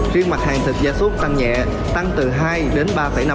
riêng mặt hàng thịt gia súc tăng nhẹ tăng từ hai đến ba năm